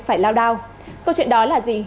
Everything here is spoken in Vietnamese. phải lao đao câu chuyện đó là gì